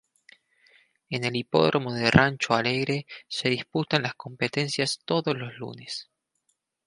En el Hipódromo de Rancho Alegre se disputan las competencias todos los lunes.